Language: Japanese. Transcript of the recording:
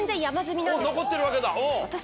残ってるわけだ。